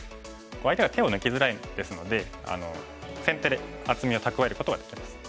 相手が手を抜きづらいですので先手で厚みを蓄えることができます。